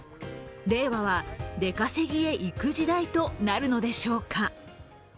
令和は出稼ぎへ行く時代となるのでしょうか。